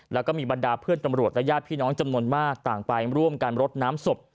แล้วก็มีบรรดาเพื่อนตำรวจและญาติพี่น้องจำนวนมากต่างไปร่วมกันรดน้ำศพ